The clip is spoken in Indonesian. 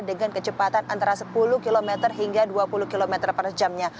dengan kecepatan antara sepuluh km hingga dua puluh km per jamnya